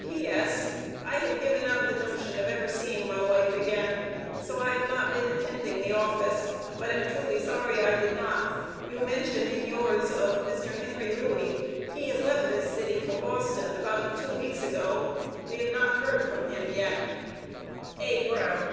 P.S. I had given out the notion of ever seeing my wife again, so I have not been attending the office, but am truly sorry I did not, you mention in yours of Mr. Henry lewey, he has left this city for Boston about 2 weeks ago, we have not herd from him yet. A. BROWN.